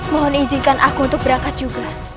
mohon izinkan aku untuk berangkat juga